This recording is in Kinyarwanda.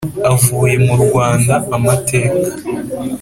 avuye murwanda amateka